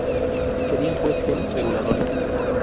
Serían pues genes reguladores.